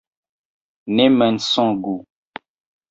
Ne mensogu!